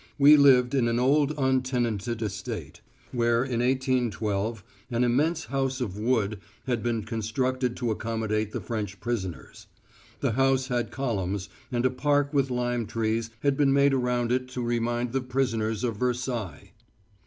We lived on an old untenanted estate, where in 1812 an immense house of wood had been constructed to accommodate the French prisoners. The house had columns, and a park with lime trees had been made around it to remind the prisoners of Versailles.